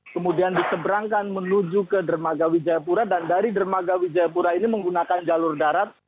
kemudian diseberangkan menuju ke dermaga wijayapura dan dari dermaga wijayapura ini menggunakan jalur darat